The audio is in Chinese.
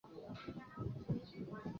嘉靖二十五年迁扬州府同知。